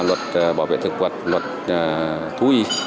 luật bảo vệ thực vật luật thú y